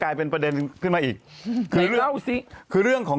ไม่ได้มอง